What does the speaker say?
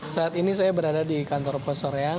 saat ini saya berada di kantor posoreang